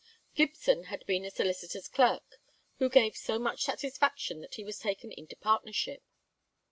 Gibson had been a solicitor's clerk, who gave so much satisfaction that he was taken into partnership.